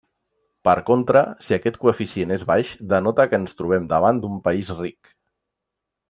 Per contra, si aquest coeficient és baix, denota que ens trobem davant d'un país ric.